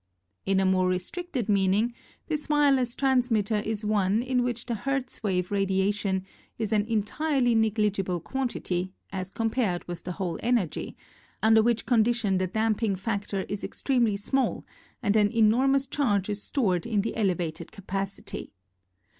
In a more restricted meaning this wire less transmitter is one in which the Hertz wave radiation is an entirely negligible quantity as compared with the whole energy, under which condition the damp ing factor is extremely small and an enor mous charge is stored in the elevated capa city.